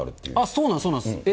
そうなんです。